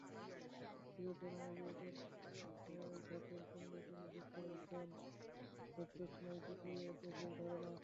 চিরচেনা এভিয়েটর ধাঁচের সঙ্গে তিনি যোগ করেছেন রোদচশমায় তৃতীয় চোখের ধারণা।